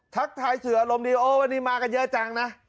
ทักถ่ายเสือลมดีโอ้วันนี้มากันเยอะจังนะ